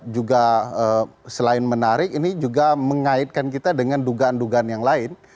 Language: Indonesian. juga selain menarik ini juga mengaitkan kita dengan dugaan dugaan yang lain